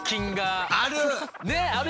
ある！